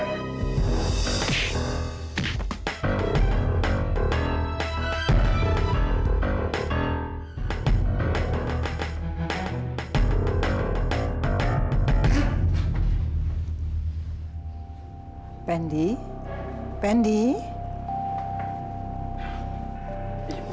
orang cerai cuma akan kebawa